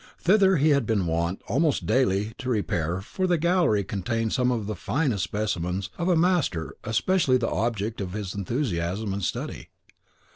Thither he had been wont, almost daily, to repair, for the gallery contained some of the finest specimens of a master especially the object of his enthusiasm and study.